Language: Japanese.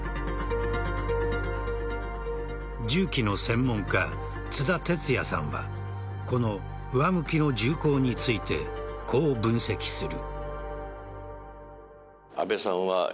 銃器の専門家・津田哲也さんはこの上向きの銃口についてこう分析する。